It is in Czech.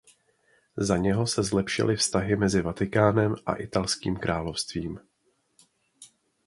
Za něho se zlepšily vztahy mezi Vatikánem a italským královstvím.